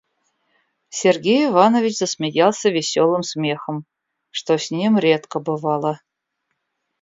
Сергей Иванович засмеялся веселым смехом, что с ним редко бывало.